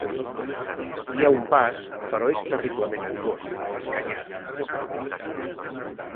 Hi ha un pas, però és terriblement angost, escanyat.